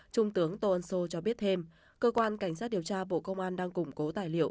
trung tướng tô ân sô cho biết thêm cơ quan cảnh sát điều tra bộ công an đang củng cố tài liệu